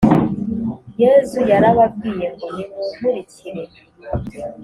yezu yarababwiye ngo nimunkurikire.